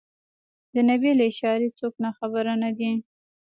د نبي له اشارې څوک ناخبر نه دي.